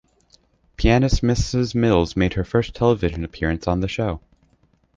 Pianist Mrs Mills made her first television appearance on the show.